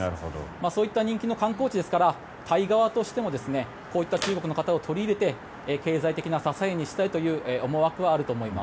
そういった人気の観光地ですからタイ側としてもこういった中国の方を取り入れて経済的な支えにしたいという思惑はあると思います。